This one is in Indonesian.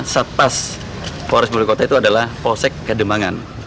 satpas polres pemilik kota itu adalah posek kedemangan